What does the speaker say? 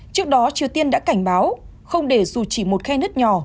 trước đó triều tiên đã cảnh báo không để dù chỉ một khe nứt nhỏ